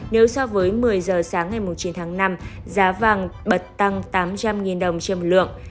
nếu so với một mươi giờ sáng ngày chín tháng năm giá vàng bật tăng tám trăm linh đồng trên một lượng